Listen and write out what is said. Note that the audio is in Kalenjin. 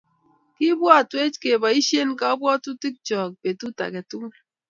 Kibwatwech keboishen kabwatutikchook betut age tugul